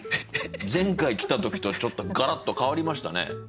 前回来た時とはちょっとガラッと変わりましたね。